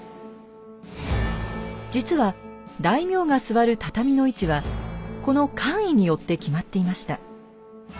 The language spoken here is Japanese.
実は大名が座る畳の位置はこの官位によって決まっていました。